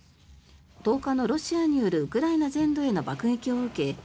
１０日のロシアによるウクライナ全土への爆撃を受け